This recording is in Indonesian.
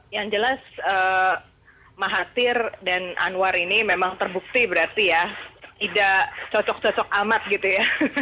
yang jelas mahathir dan anwar ini memang terbukti berarti ya tidak cocok cocok amat gitu ya